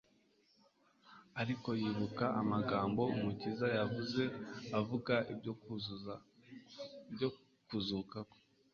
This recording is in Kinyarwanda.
Ariko yibuka amagambo Umukiza yavuze avuga ibyo kuzuka kwe.